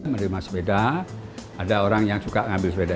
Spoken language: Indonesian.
menerima sepeda ada orang yang suka ngambil sepeda